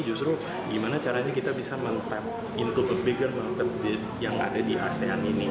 justru gimana caranya kita bisa men tap in toute bagre market yang ada di asean ini